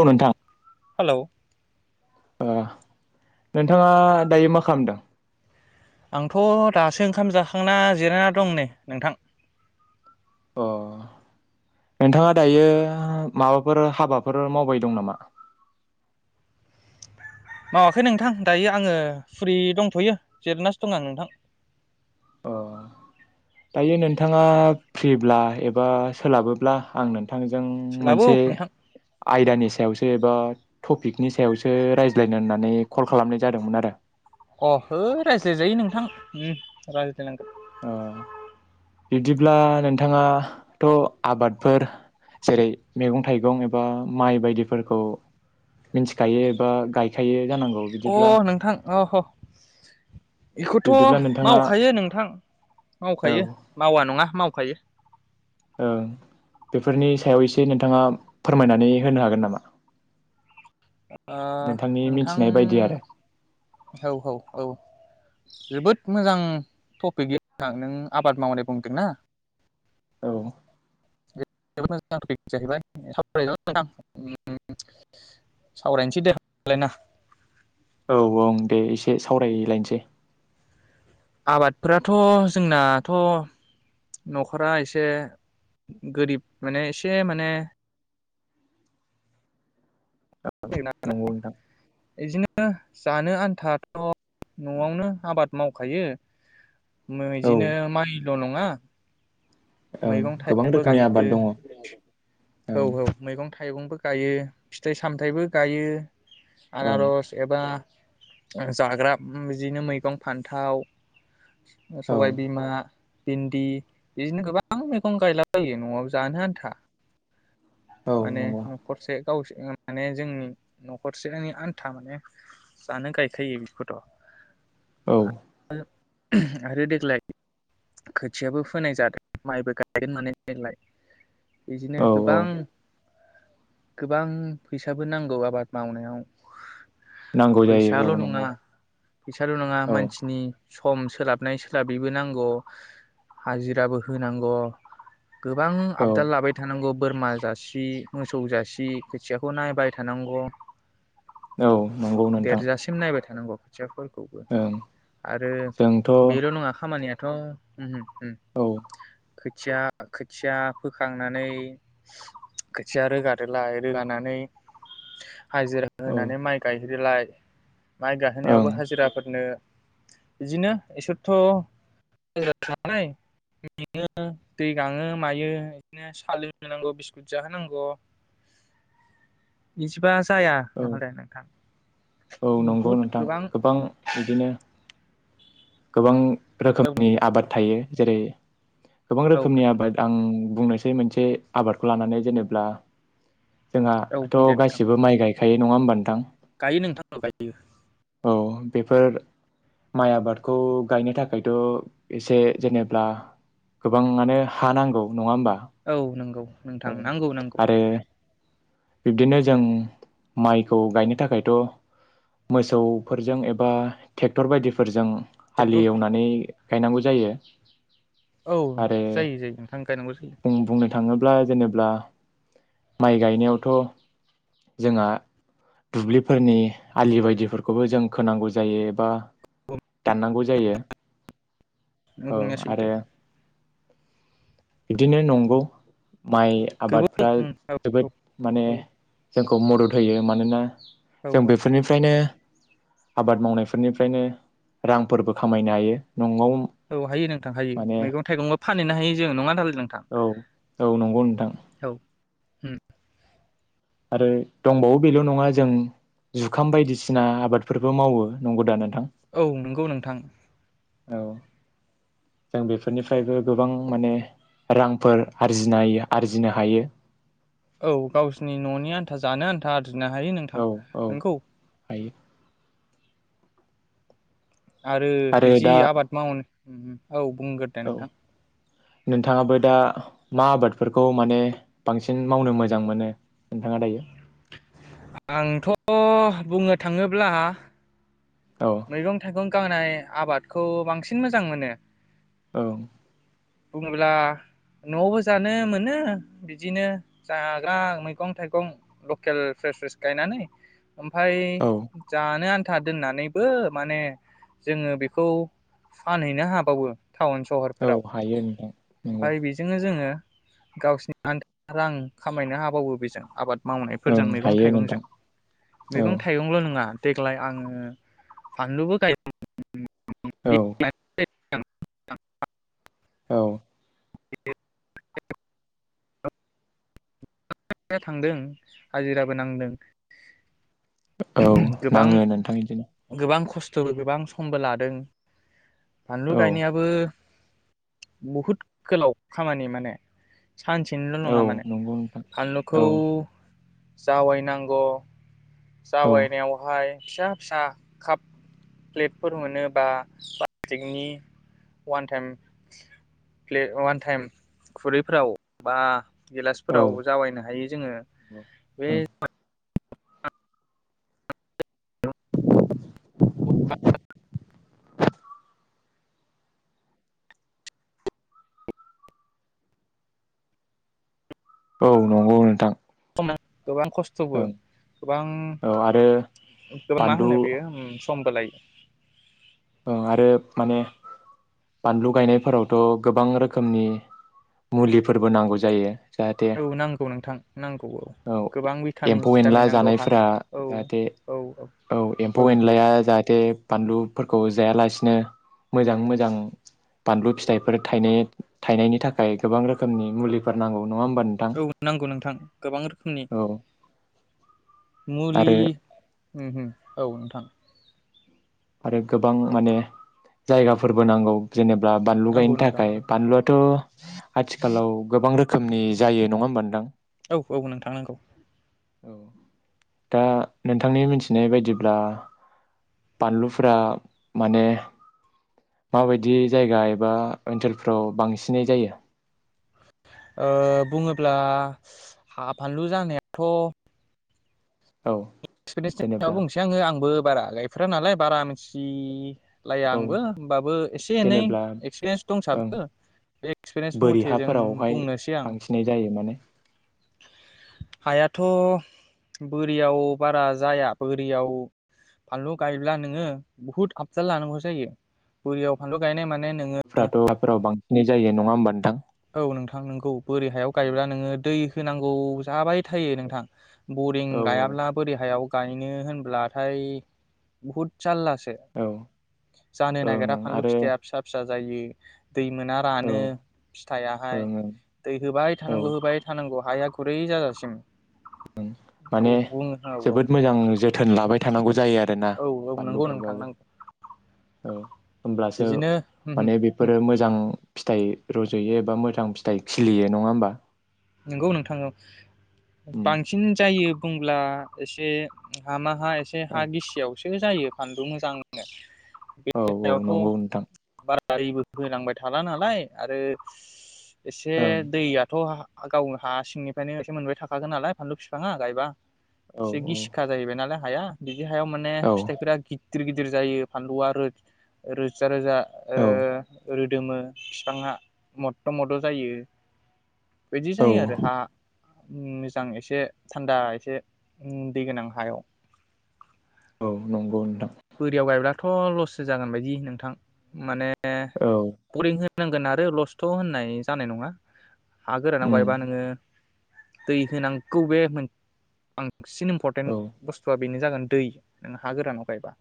औ नोंथां हेलौ आ नोंथाङा दायो मा खालामदों आंथ' दासो ओंखाम जाखांना जिरायना दं नेै नोंथां अ नोंथाङा दायो माबाफोर हाबाफोर मावबाय दं नामा मावाखै नोंथां दायो आङो फुरि दंथ'यो जिरनासो दं आं नोंथां अ दायो नोंथाङा फ्रिब्ला एबा सोलाबोब्ला आं नों थांजों सोलाबौ मोनसे नोंथां आयदानि सायावसो एबा टपिकनि सायावसो रायज्लायनो होननानै कल खालामनाय जादोंमोन आरो अ है रायज्लायजायो नोंथां ओम रायज्लायनांगोन अ बिदिब्ला नोंथाङाथ' आबादफोर जेरै मैगं थाइगं एबा माइ बायदिफोरखौ मिथिखायो एबा गायखायो जानांगौ अ बिदिब्ला नोंथां अह बेखौथ' बिब्दिब्ला नोंथाङा मावखायो नोंथां औ मावखायो मावा नङा मावखायो ओ बेफोरनि सायाव एसे नोंथाङा फोरमायनानै होनो हागोन नामा ओ नोंथांनि नोंथां मिथिनाय बायदि आरो औ औ औ जोबोद मोजां टपिकलै नोंथां नों आबाद मावनाय बुंदोंना औ [unintelligible] सावरायनो सै दे होबालाय ना औ ओं दे एसे सावरायलायनोसै । आबादफोराथ' जोंनाथ' न'खरा एसे गोरिब माने एसे माने नंगौ [unintelligible] नोंथां इदिनो जानो आन्थाथ' न'आवनो आबाद मावखायो । औ बिदिनो माइ ल नङा ओं मैगं गोबां थाइगंबो रोखोमनि आबाद गायो दङ औ ओं औ मैगं थाइगंबो । गायो फिथाइ सा सामथाइबो गायो। ओं आनारस एबा जाग्रा बिदिनो मैगं फान्थाव औ सबाय बिमा, बिन्दि बिदिनो गोबां मैगं गायलाबायो न'वाव जानो आन्था। औ माने नंगौ न'खरसे [inaudible] माने जोंनि न'खरसेनि आन्था माने जानो गायखायो बेखौथ'। औ। आरो देग्लाय खोथियाबो फोनाय जादों माइबो गायगोन माने देग्लाय। इदिनो औ औ गोबां गोबां फैसाबो नांगौ आबाद मावनायाव। नांगौ जायो फैसाल' औ नंगौ नङा फैसााल' नङा औ मानसिनि सम सोलाबनाय सोलाबैबो नांग' हाजिराबो होनांग'। गोबां औ आबदाल लाबाय थानांगौ। बोरमा जासि, मोसौ जासि, खोथियाखौ नायबाय थानांग'। औ नंगौ नोंथां देरजासिम नायबाय थानांग'। खोथियाफोर खौबो ओं आरो जोंथ' औ बेल' नङा खामानिया थ उम औ। खोथिया खोथिया फोखांनानै खोथिया रोगादोलाय। रोगानानै हाजिरा ओं होनानै माइ गायहो दोलाय। माइ औ गाहोनायावबो हाजिराफोरनो बिदिनो इसोरथ' [unintelligible] मेङो दै गाङो मायो बिदिनो सा लोंहोनांग', बिस्कुट जाहोनांग'। [unintelligible] जाया नहले नोंथां। औ नंगौ नोंथां गोबां बिदिनो गोबां औ रोखोमनि नोंथां आबाद थायो। जेरै गोबां औ रोखोमनि आबाद आं बुंनोसै मोनसे आबादखौ लानानै जेनेब्ला औ जोंहाथ' बुं दे नोंथां गासिबो माइ गाय हायो नङा होमबा नोंथां? गायो नोंथां गायो। औ बेफोर माइ आबाद। खौ गायनो थाखायथ' एसे जेनेब्ला गोबाङानो हा नांगौ नङा होमबा। औ नंगौ औ नोंथां नंगौ नंगौ। आरो बिब्दिनो जों माइखौ गायनो थाखायथ' मोसौफोरजों एबा ट्रेक्टर बायदिफोरजों। ट्रेक्टरफोर हालेवनानै। गायनांगौ जायो। औ आरो जायो जायो नोंथां गायनांगौ जायो। बुं बुंनो थाङोब्ला जेनेब्ला। माइ गायनायावथ' जोंहा दुब्लिफोरनि आलि बायदिफोरखौबो जों खोनांगौ जायो एबा दाननांगौ जायो। नों औ बुंनाया आरो सैथो। बिदिनो नंगौ। माइ गोबां आबादफ्रा। उम औ जोबोद माने औ जोंखौ। मदद होयो मानोना औ जों बेफोरनिफ्रायनो आबाद मावनायफोरनिफ्रायनो रांफोरबो खामायनो हायो। नंगौ औ हायो नोंथां हायो माने मैगं थाइगंबो फानहैनो हायो जों नङा दालाय नोंथां औ औ नंगौ नोंथां औ। उम। आरो दंबावो बेल' नङा जों जुखाम बायदिसिना आबादफोरबो मावो नंगौदा नों औ नंगौ नोंथां। औ जों बेफोरनिफ्रायबो गोबां माने रांफोर आरजिनाय आरजिनो हायो। औ गावसिनि न'नि आन्था जानो आन्था। जिनो हायो औ नोंथां औ नोंगौ। हायो आरो बिदि आबाद मावन औ बुंग्रोदो दे औ नोंथां नोंथाङाबो दा मा आबादफोरखौ माने बांसिन मावनो मोजां मोनो नोंथाङा दायो? आंथ' बुंनो थाङोब्ला औ मैगं थाइगं गांनाय आबादखौ बांसिन मोजां मोनो औ बुङोब्ला न'आवबो जानो मोनो बिदिनो जाग्रा मैगं थाइगं लकेल फ्रेस फ्रेस गायनानै ओमफाय औ जानो आन था दोननानै बो माने जोङो बेखौ फानहैनो हाबावो टाउन औ सहरफोराव हायो नोंथां नंगौ ओमफाय बेजोंनो जोङो गावसिनि रां खामायनो हाबावो बेजों आबाद ओं मावनायफोरजों मैगं हायो नोंथां थाइगंजों औ मैगं थाइगंल' नङा देग्लाय आङो फानलुबो गाय औ [unintelligible] औ [unintelligible] [unintelligible] थांदों हाजिराबो नांदों औ नाङो नोंथां बिदिनो सोबो गोबां समबो लादों फानलु औ गायनायाबो बुहुद गोलाव खामानि माने सानसेनिल' औ नङा माने नंगौ नोंथां औ बानलुखौ जावाय नांगौ औ जावायनायावहाय फिसा फिसा काप प्लेटफोर मोनो बा प्लास्टिकनि अवान टाइम फ्ले अवान टाइम खुरैफोराव बा औ गिलासपोराव जावायनो हायो जोङो बे औ [inaudible] औ नंगौ नोंथां नों गोबां खस्थ'बो ओं गोबां औ आरो गोबां मा बानलु होनो बेयो समबो लायो ओ आरो माने बानलु गायनायफोरावथ' गोबां रोखोमनि मुलिफोरबो नांगौ जायो। जाहाथे औ नांगौ नोंथां नांगौ औ गोबां भिटामिन एम्फौ एनला सिटामिन नांगौ हा जानायफोरा औ जाहाथे औ एम्फौ एनलाया जाहाथे बानलु फोरखौ जायालासिनो मोजां मोजां बानलु फिथाइफोर थायनाय थायनायनि थाखाय गोबां रोखोमनि मुलिफोर नांगौ। नङा होमबा नोंथां औ नांगौ नोंथां गोबां रोखोमनि औ मुलि आरो औ नोंथां आरो गोबां माने जायगाफोरबो नांगौ। जेनेबा बानलु नांगौ गायनो नोंथां थाखाय बानलुआथ' आथिखालाव गोबां रोख रोखोमनि जायो नङा होमबानोथां। औ औ नोंथां नांगौ। दा नोंथांनि मिथिनाय बायदिब्ला। बानलुफोरा माने माबायदि जायगा एबा ओनसोलफ्राव बांसिनै जायो। ओ बुङोब्ला हा फानलु जानायाथ' औ एक्सपिरियेन्सनि सायाव जेनेब्ला बुंनोसै आङो आंबो बारा गायफेरानालाय बारा मिथि औ लायआंबो होमबाबो एसे एनै जेनेब्ला एक्सपिरियेन्स ओं दंसाबो बे एक्सपिरियेन्स बोरि मथे जों हाफोरावहाय बुंनोसै आं बांसिनै जायो माने हायाथ' बोरियाव बारा जाया बोरियाव फानलु गायोब्ला नोङो बुहुद आबजाल लानांगौ जायो। बोरियाव फानलु गायनाय माने नोङो फ्राथ' हाफोराव बांसिनै जायो नङा होमबा नोंथां। औ नोंथां नोंगौ बोरि हायाव औ गायोब्ला नोङो दै होनांगौ जाबाय। थायो नोंथां बरिं औ गायाब्ला गाहायाव गायनो होनब्लाथाय बुहुद जारला औ जानो ओं नागिरा ओं फानलु आरो फिथा फिसा फिसा जायो। दै मोना औ रानो ओं फिथाइयाहाय ओं दै होबाय औ थानांगौ ओं होबाय थानांगौ। हाया गुरै जाजासिम औ माने बुंनो। औ जोबोद मोजां जोथोन लाबाय थानांगौ जायो। आरोना औ औ बानलु नंगौ नोंथां गायबाबो नोंगौ। औ होमब्लासो माने बेफोरो मोजां फिथाइ रज'यो एबा मोजां फिथाइ खिलियो नङा होमबा। नंगौ नोंथां औ उम बांसिन जायो। होमब्ला एसे हा हा एसे औ हा गिसियावसो बिजोंनो जायो फानलु मोजां औ औ नंगौ नोंथां। गारिबो फोनांबाय थाला नालाय आरो एसे ओं दैयाथ' हा गावनो हा सिंनिफ्रायनो एसे मोनबाय थाखागोन नालाय फानलु बिफाङा गायबा औ एसे गिसिखा जाहैबाय नालाय हाया बि हायाव माने औ फिथाइफोरा गि दिर गिदिर जायो फानलुआ रोद रो रोजा ओ औ रोद दोमो फिफाङा मदद' मद' जायो। बिदि औ जायो आरो हा उम मोजां एसे थान्दा एसे उम दै गोनां हायाव औ नंगौ नोंथां बोरियाव गायब्लाथ' लससो जागोन बायदि नोंथां माने औ ओ बरिं हो नांगोन आरो लसथ' होननाय जानाय नङा। हा गोरानाव उम गायबा नोङो दै होनांगौ बे मोन सिन औ इम्परटतेन्ट बुस्थुआ बिनो जागोन दै नों हा गोरानाव गायबा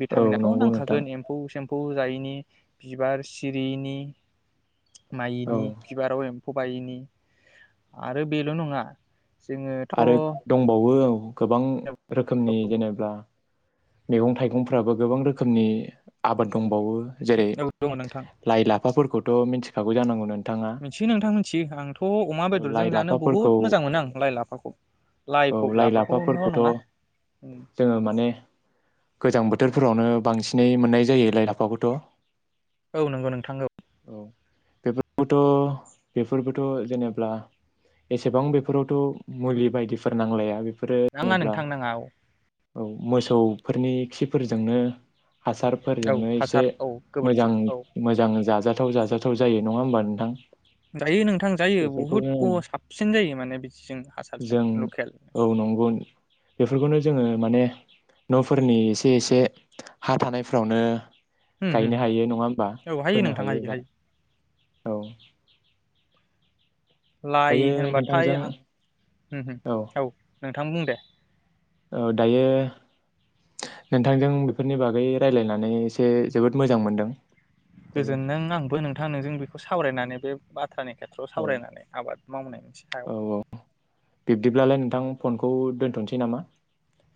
भिटामिनाथ' नंगौ नोंथां नांखागोन एम्फौ से एम्फौ जायिनि बिबार सिरियिनि औ माइनि बिबाराव एम फौ बायिनि आरो बेल' नङा जोङोथ' औ आरो दंबावो औ गोबां रोखोमनि जेनेबा मैगं-थाइगंफ्राबो गोबां रोखोमनि आबाद दंबावो। जेरै दङ नोंथां लाइ लाफाफोरखौथ' मिथि खागौ जानांगौ नोन मिथियो नोंथां मिथियो आंथ' अमा बेदरजों लाइ जानो लाफाफोरखौ बहुद मोजां मोनो आं लाइ लाफाखौ औ लाइखौ लाइ लाफाखौल' लाफाफोरखौथ' नङा जोङो माने गोजां बोथोरफोरावनो बांसिनै मोननाय जायो लाइ लाफाखौथ औ नंगौ नोंथां औ बे फोरबोथ' बेफोरबोथ' जेनेब्ला एसेबां बेफोरावथ' मुलि बायदिफोर नांलाया बेफो नाङा नोंथां नाङा औ औ मोसौ फोरनि खिफोरजोंनो। औ हासारफोरजोंनो एसे हासार औ मोजां गोबोरखि औ मोजां जाजा। जाजाथाव जायो नङा ह होनोमबा नोंथां। जायो नोंथां जायो बुहुद बेफोरखौनो साबसिन जायो माने बिदिजों हासारजों जों लकेल। औ नंगौ बेफोरखौनो जोङो माने न'फोरनि एसे एसे हा थानायफ्रावनो। होम होम गायनो हायो नङा होमबा होम औ हायो फोनो नोंथां हायो हायोबा हायो औ। लाइ दायो होनबाथाय नोंथांजों आं हो हो औ नोंथां बुं दे। औ दायो नोंथांजों बिफोरनि बागै रायजलायनानै एसे जोबोद मोजां मोनदों। दायो गोजोनदों आंबो नोंथां नोंजों बेखौ सावरायनानै बे। बाथ्रानि खेथ्रआव औ सावरायनानै आबाद मावनायनिनायनिसे सायाव। औ औ बिब्दिब्लालाय नोंथां फनखौ दोन्थनोसै नामा।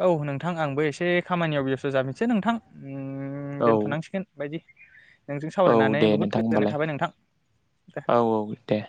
औ नोंथां आंबो एसे खामानियाव बेस्थ जाबैसै नोंथां। ओम औ दोनथनांसिगोन बायदि। नोंजों औ सावरायनानै दे बुहुद नोंथां गोजोननाय होनबालाय थाबाय नोंथां औ औ दे।